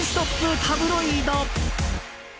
タブロイド。